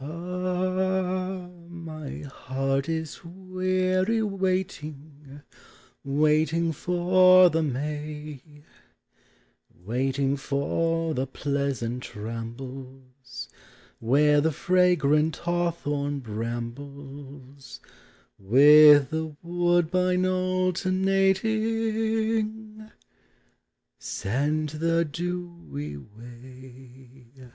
Ah ! my heart is weary waiting, Waiting for the May, — Waiting for the pleasant rambles Where the fragranl hawthorn brambles, With the woodbine alternating, Scent the dewy way.